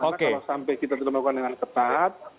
karena kalau sampai kita dilakukan dengan ketat